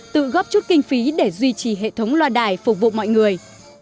tự góp chút kinh phí để duy trì hệ thống loa đài phục vụ mọi người